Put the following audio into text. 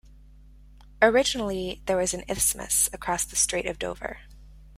Originally there was an isthmus across the Strait of Dover.